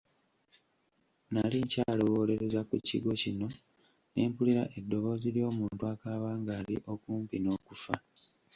Nali nkyalowoolereza ku kigo kino ne mpulira eddoboozi ly'omuntu akaaba ng'ali okumpi n'okufa.